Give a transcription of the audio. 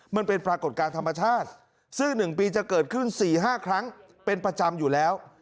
มันเป็นปรากฏการณ์ธรรมชาติซึ่ง๑ปีจะเกิดขึ้น๔๕ครั้งเป็นประจำอยู่แล้ว